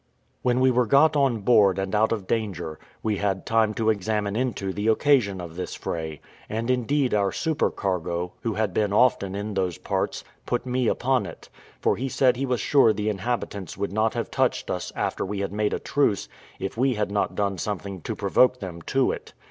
When we were got on board and out of danger, we had time to examine into the occasion of this fray; and indeed our supercargo, who had been often in those parts, put me upon it; for he said he was sure the inhabitants would not have touched us after we had made a truce, if we had not done something to provoke them to it.